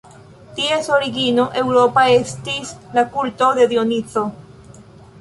Ties origino eŭropa estis la kulto de Dionizo.